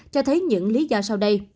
cho thấy những lý do sau đây